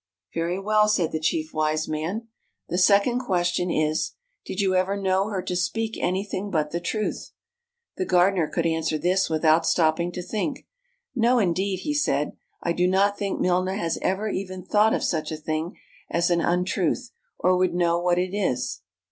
" Very well," said the Chief Wise Man. " The second question is: Did you ever know her to speak anything but the truth? " The gardener could answer this without stopping to think. " No, indeed," he said. " I do not think Milna has ever even thought of such a thing as an untruth, or would know what it is."